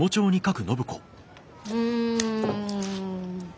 うん。